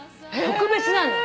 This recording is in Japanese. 特別なの。